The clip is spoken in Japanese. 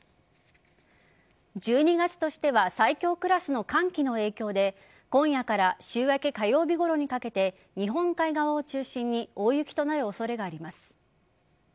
１２月としては最強クラスの寒気の影響で今夜から週明け火曜日ごろにかけて日本海側を中心に大雪となる恐れがあります。